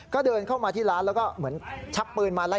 ก็เดินเข้ามาที่ร้านแล้วก็เหมือนชักปืนมาไล่